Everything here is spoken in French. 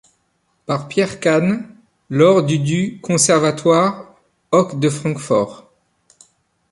Par Pierre Cahn lors du du conservatoire Hoch de Francfort.